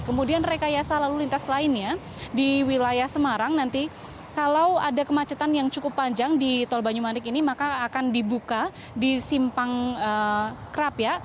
kemudian rekayasa lalu lintas lainnya di wilayah semarang nanti kalau ada kemacetan yang cukup panjang di tol banyumanik ini maka akan dibuka di simpang kerap ya